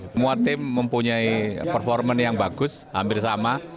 semua tim mempunyai performance yang bagus hampir sama